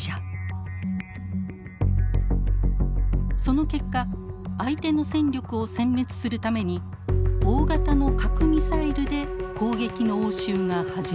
その結果相手の戦力をせん滅するために大型の核ミサイルで攻撃の応酬が始まります。